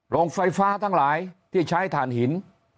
โรงไฟฟ้าทั้งหลายที่ใช้ฐานหิน